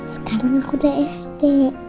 sekarang aku udah sd